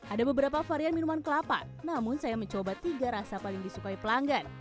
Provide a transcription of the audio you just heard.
ada beberapa varian minuman kelapa namun saya mencoba tiga rasa paling disukai pelanggan